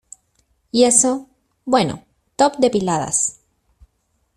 ¿ y eso? bueno, top depiladas.